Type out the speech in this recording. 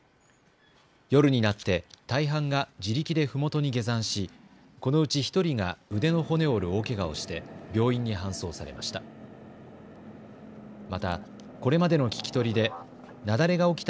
夜になって大半が自力でふもとに下山し、このうち１人が腕の骨を折る大けがをして病院に搬送されました。